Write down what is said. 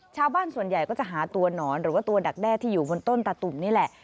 ชาวบ้านส่วนใหญ่ก็จะหาตัวหนอนหรือว่าตัวดักแด้ที่อยู่บนต้นตาตุ่มนี่แหละ